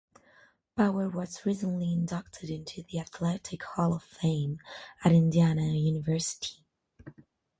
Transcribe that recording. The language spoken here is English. Power was recently inducted into the Athletic Hall of Fame at Indiana University.